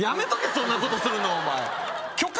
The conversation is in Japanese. そんなことするのお前許可